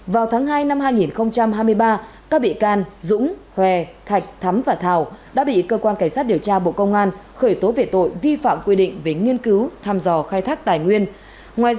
vào tháng hai năm hai nghìn hai mươi ba các bị can dũng hòe thạch thắm và thảo đã bị cơ quan cảnh sát điều tra bộ công an khởi tố về tội vi phạm quy định về nghiên cứu tham dò khai thác tài nguyên